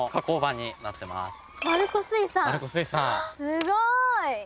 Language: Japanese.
すごい！